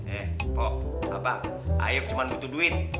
eh pok apa ayo cuman butuh duit